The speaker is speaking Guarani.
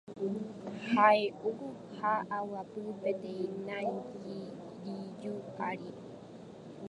hay'u ha aguapy peteĩ nangiriju ári.